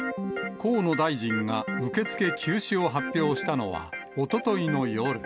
河野大臣が受け付け休止を発表したのは、おとといの夜。